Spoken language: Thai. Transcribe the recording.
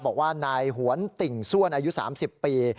บอกว่านายหวนติ่งซ่วนอายุ๓๐ปี